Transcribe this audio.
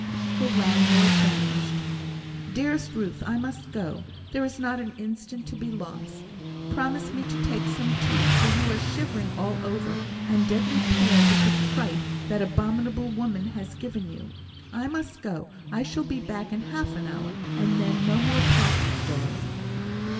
The landlord vanished. "Dearest Ruth, I must go; there is not an instant to be lost; promise me to take some tea, for you are shivering all over, and deadly pale with the fright that abominable woman has given you. I must go; I shall be back in half an hour and then no more partings, darling."